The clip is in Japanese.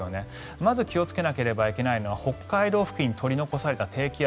まず気をつけなければいけないのは北海道付近に取り残された低気圧